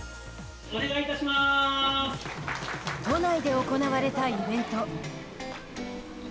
都内で行われたイベント。